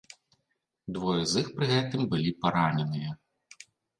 Двое з іх пры гэтым былі параненыя.